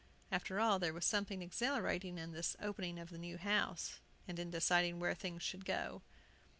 After all there was something exhilarating in this opening of the new house, and in deciding where things should go.